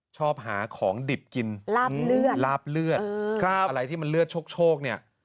ชอบหาของดิบกินลาบเลือดอะไรที่มันเลือดโชคโชคเนี่ย